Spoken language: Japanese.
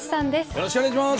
よろしくお願いします。